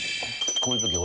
こういうとき俺。